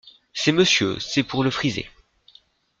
C’est Monsieur… c’est pour le friser…